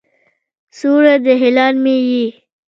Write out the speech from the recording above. سیوری د هلال مې یې